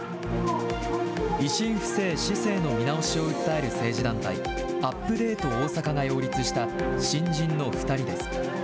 維新府政・市政の見直しを訴える政治団体、アップデートおおさかが擁立した新人の２人です。